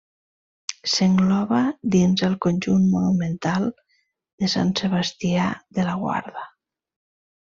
S'engloba dins el Conjunt Monumental de Sant Sebastià de la Guarda.